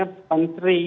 dan kemudian pemerintah